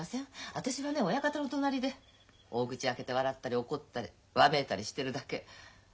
私はね親方の隣で大口開けて笑ったり怒ったりわめいたりしてるだけ。